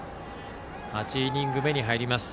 ８イニング目に入ります。